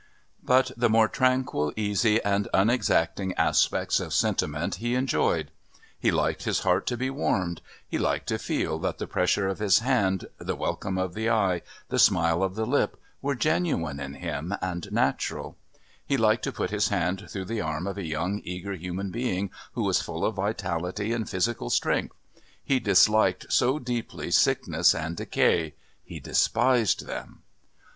But the more tranquil, easy and unexacting aspects of sentiment he enjoyed. He liked his heart to be warmed, he liked to feel that the pressure of his hand, the welcome of the eye, the smile of the lip were genuine in him and natural; he liked to put his hand through the arm of a young eager human being who was full of vitality and physical strength. He disliked so deeply sickness and decay; he despised them.